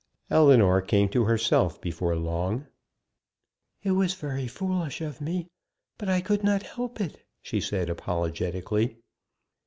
Ellinor came to herself before long. "It was very foolish of me, but I could not help it," said she, apologetically.